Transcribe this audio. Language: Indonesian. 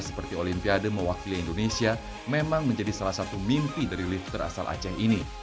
seperti olimpiade mewakili indonesia memang menjadi salah satu mimpi dari lifter asal aceh ini